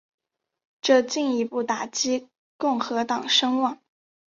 这进一步打击共和党声望。